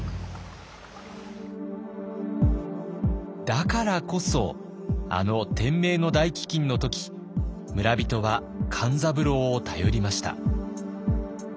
だからこそあの天明の大飢饉の時村人は勘三郎を頼りました。